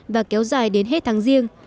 và kéo dài đến hết tháng riêng